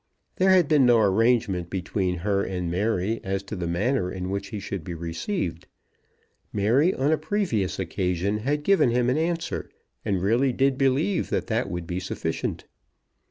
There had been no arrangement between her and Mary as to the manner in which he should be received. Mary on a previous occasion had given him an answer, and really did believe that that would be sufficient.